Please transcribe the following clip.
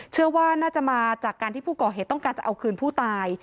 เชื่อว่าน่าจะมาจากการที่ผู้ก่อเหตุต้องการจะเอาคืนผู้ตาย